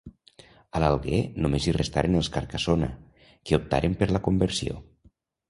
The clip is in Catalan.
A l’Alguer només hi restaren els Carcassona, que optaren per la conversió.